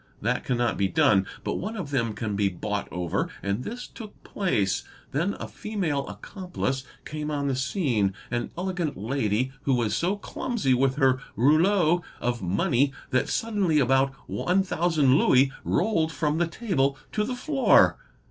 That cannot be done, but one of them can be bought over, and this took place. Then a female accomplice came on the scene, an elegant lady who was so clumsy with her rouleaux of money that suddenly about 1,000 louis rolled from the table to the floor.